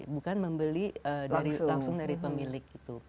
bukan membeli langsung dari pemilik gitu